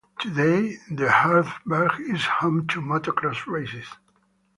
Today the Erzberg is home to motocross races.